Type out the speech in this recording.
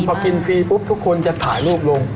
พอกินฟรีปุ๊บทุกคนจะถ่ายรูปลง